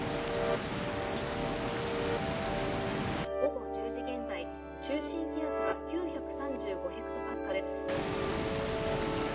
午後１０時現在中心気圧が９３５ｈＰａ。